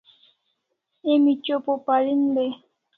Emi chopa o parin dai